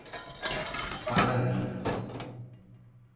Parari